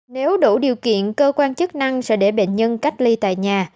nếu đủ điều kiện cơ quan chức năng sẽ để bệnh nhân cách ly tại nhà